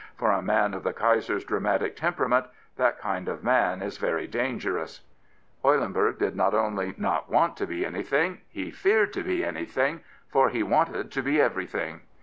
For a man of the 174 Prince Biilow Kaiser's dramatic temperament that kind of man is very dangerous." Eulenburg not only did not want to be anything. He feared to be anything, for he wanted to be every thing.